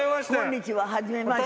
はじめまして。